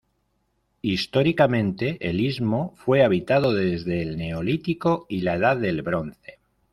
Históricamente, el istmo fue habitado desde el Neolítico y la Edad del Bronce.